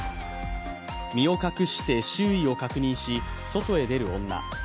身を隠して周囲を確認し外へ出る女。